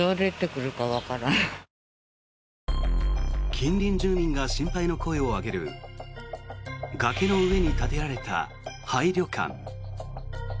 近隣住民が心配の声を上げる崖の上に建てられた廃旅館。